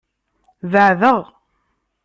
Beɛdeɣ.